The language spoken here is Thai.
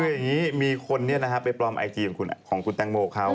คืออย่างนี้มีคนไปปลอมไอจีของคุณแตงโมเขา